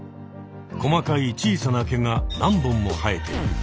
細かい小さな毛が何本も生えている。